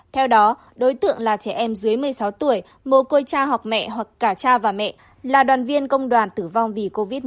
theo đó đối tượng là trẻ em dưới một mươi sáu tuổi mua cô cha hoặc mẹ hoặc cả cha và mẹ là đoàn viên công đoàn tử vong vì covid một mươi chín